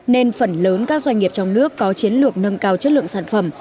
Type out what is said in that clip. nên phần lớn các doanh nghiệp trong nước có chiến lược nâng cao chất lượng sản phẩm